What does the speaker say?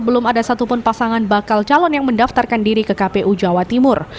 belum ada satupun pasangan bakal calon yang mendaftarkan diri ke kpu jawa timur